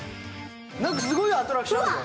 なんかすごいアトラクションあるよ。